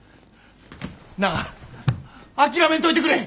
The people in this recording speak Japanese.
なあ諦めんといてくれ！